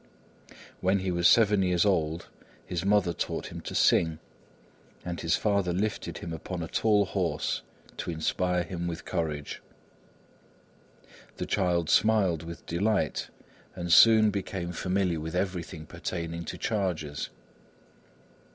When he was seven years old his mother taught him to sing, and his father lifted him upon a tall horse, to inspire him with courage. The child smiled with delight, and soon became familiar with everything pertaining to chargers.